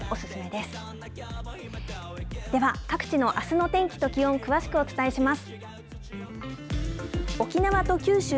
では各地のあすの天気と気温、詳しくお伝えします。